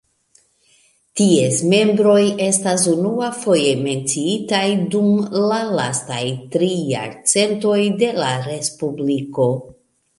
Ties membroj estas unuafoje menciitaj dum la lastaj tri jarcentoj de la Respubliko.